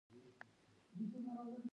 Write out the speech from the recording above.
ګراکچوس په وژنې سره دا انګېزه مړه نه شوه.